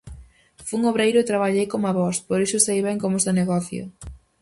Fun obreiro e traballei coma vós, por iso sei ben como se negocia.